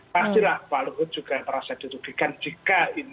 pastilah pak luhut juga merasa dirugikan jika ini